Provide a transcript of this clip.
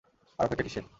আর অপেক্ষা কীসের?